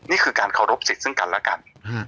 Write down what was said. นี่คือการเคารพสิทธิ์ซึ่งกันและกัน